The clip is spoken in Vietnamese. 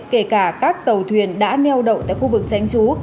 kể cả các tàu thuyền đã neo đậu tại khu vực tránh trú